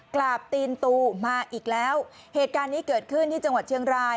กราบตีนตูมาอีกแล้วเหตุการณ์นี้เกิดขึ้นที่จังหวัดเชียงราย